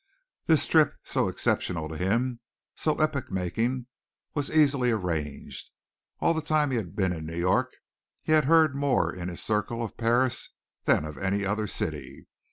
This trip, so exceptional to him, so epoch making, was easily arranged. All the time he had been in New York he had heard more in his circle of Paris than of any other city.